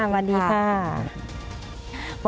ขอบคุณค่ะ